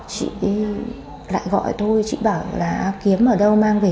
chị lại gọi tôi chị bảo là kiếm ở đâu mang về